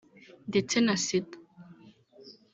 ndetse na Sida